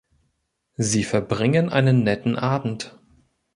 Sie verbringen einen netten Abend.